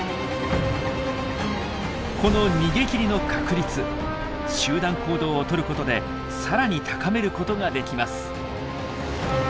この逃げきりの確率集団行動をとることで更に高めることができます。